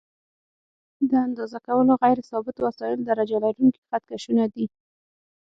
د اندازه کولو غیر ثابت وسایل درجه لرونکي خط کشونه دي.